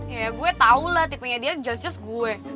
ya gue tau lah tipenya dia jelas jelas gue